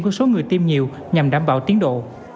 của số người tiêm nhiều nhằm đảm bảo tiến độ